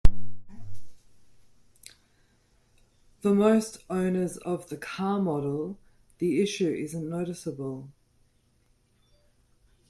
For most owners of the car model, the issue isn't noticeable.